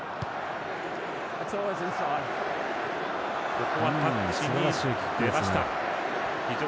ここはタッチに出ました。